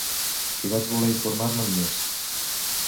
I vaig voler informar-me'n més.